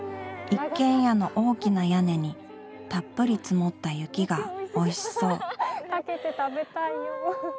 一軒家の大きな屋根にたっぷり積もった雪がおいしそうかけて食べたいよ。